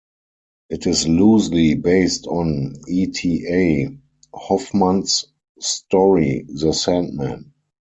It is loosely based on E. T. A. Hoffmann's story "The Sandman".